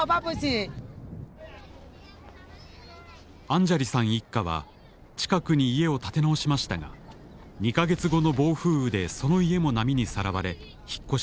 アンジャリさん一家は近くに家を建て直しましたが２か月後の暴風雨でその家も波にさらわれ引っ越しました。